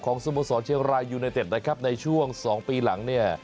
สโมสรเชียงรายยูเนเต็ดนะครับในช่วง๒ปีหลังเนี่ย